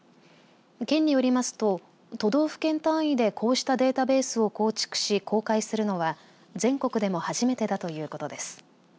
県によりますと、都道府県単位でこうしたデータベースを構築し公開するのは全国でも初めてだということです。